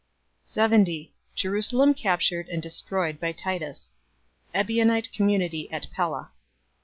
70 Jerusalem captured and destroyed by Titus. Ebionite community at Pella.